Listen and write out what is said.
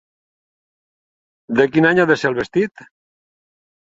De quin any ha de ser el vestit?